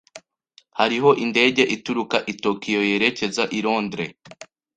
Hariho indege ituruka i Tokiyo yerekeza i Londres.